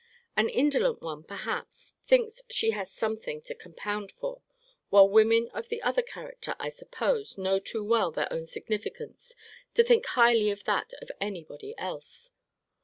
An indolent one, perhaps, thinks she has some thing to compound for; while women of the other character, I suppose, know too well their own significance to think highly of that of any body else.